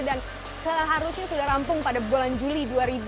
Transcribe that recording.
dan seharusnya sudah rampung pada bulan juli dua ribu tujuh belas